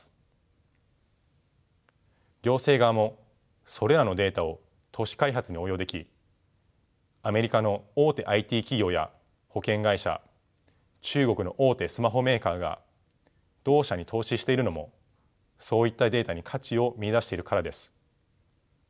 行政側もそれらのデータを都市開発に応用できアメリカの大手ＩＴ企業や保険会社中国の大手スマホメーカーが同社に投資しているのもそういったデータに価値を見いだしているからです。